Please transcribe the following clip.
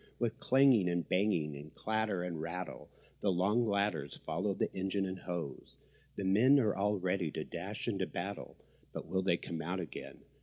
With clanging and banging and clatter and rattle The long ladders follow the engine and hose. The men are all ready to dash into battle; But will they come out again?